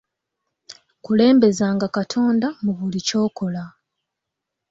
Kulembezanga katonda mu buli ky'okola.